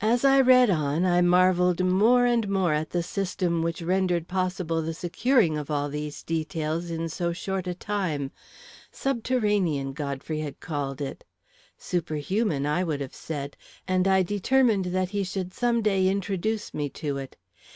As I read on, I marvelled more and more at the system which rendered possible the securing of all these details in so short a time subterranean, Godfrey had called it; superhuman, I would have said, and I determined that he should some day introduce me to it.